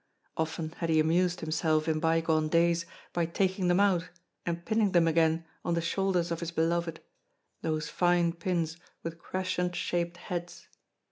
Often had he amused himself in bygone days by taking them out and pinning them again on the shoulders of his beloved, those fine pins with crescent shaped heads.